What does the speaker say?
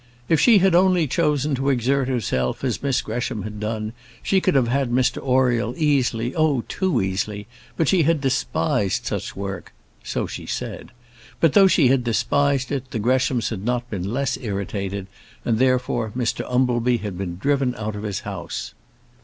"If she had only chosen to exert herself as Miss Gresham had done, she could have had Mr Oriel, easily; oh, too easily! but she had despised such work," so she said. "But though she had despised it, the Greshams had not been less irritated, and, therefore, Mr Umbleby had been driven out of his house."